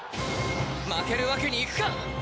負けるわけにいくか！